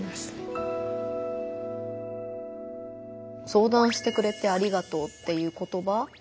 「相談してくれてありがとう」っていう言葉。